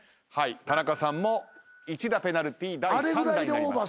田中さんも１打ペナルティー第３打になります。